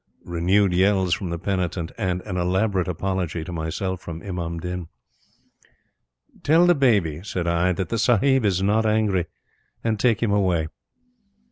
Renewed yells from the penitent, and an elaborate apology to myself from Imam Din. "Tell the baby," said I, "that the Sahib is not angry, and take him away."